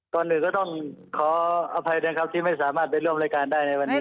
ก่อนอื่นก็ต้องขออภัยนะครับที่ไม่สามารถไปร่วมรายการได้ในวันนี้